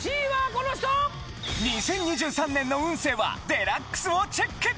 ２０２３年の運勢は『ＤＸ』をチェック！